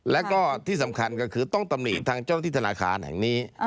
แล้วก็ที่สำคัญก็คือต้องตำหนิทางเจ้าที่ธนาคารแห่งนี้